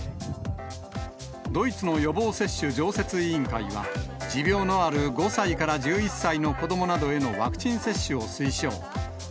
ドイツの予防接種常設委員会は、持病のある５歳から１１歳の子どもなどへのワクチン接種を推奨。